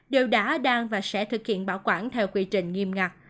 đều đã đang và sẽ thực hiện bảo quản theo quy trình nghiêm ngặt